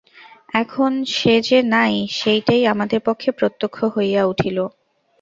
এখন সে যে নাই সেইটেই আমাদের পক্ষে প্রত্যক্ষ হইয়া উঠিল।